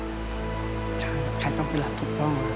ใช่ไข่ต้มเป็นหลักถูกต้อง